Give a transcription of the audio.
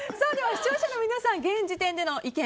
視聴者の皆さん、現時点での意見